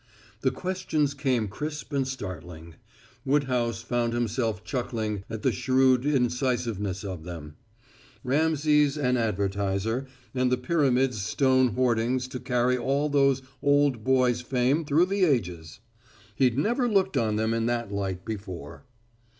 The questions came crisp and startling; Woodhouse found himself chuckling at the shrewd incisiveness of them. Rameses an advertiser and the Pyramids stone hoardings to carry all those old boys' fame through the ages! He'd never looked on them in that light before.